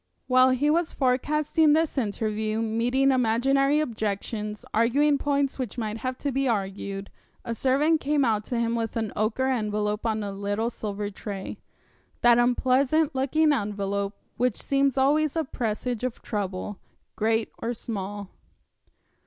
While he was forecasting this interview, meeting imaginary objections, arguing points which might have to be argued, a servant came out to him with an ochre envelope on a little silver tray that unpleasant looking envelope which seems always a presage of trouble, great or small.